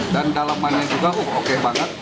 dan dalamannya juga oke banget